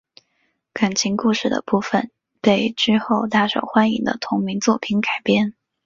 感情故事的部分被之后大受欢迎的同名作品改编。